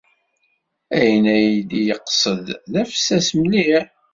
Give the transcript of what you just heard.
Ayen ay d-yeqsed d afessas mliḥ.